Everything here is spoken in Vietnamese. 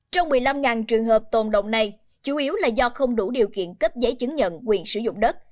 trong một mươi năm trường hợp tồn động này chủ yếu là do không đủ điều kiện cấp giấy chứng nhận quyền sử dụng đất